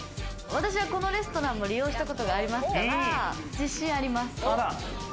私はこのレストラン、利用したことがありますから、自信あります。